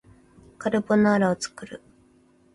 カルボナーラを作る